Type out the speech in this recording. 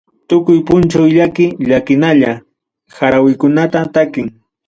Tukuy punchaw llaki llakillaña harawikunata takin.